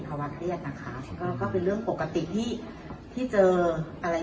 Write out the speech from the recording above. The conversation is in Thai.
ภาวะเครียดนะคะก็ก็เป็นเรื่องปกติที่ที่เจออะไร